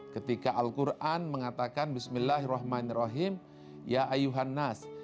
ketika al quran mengatakan